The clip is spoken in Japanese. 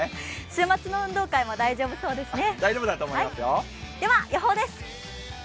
週末の運動会も大丈夫そうですね。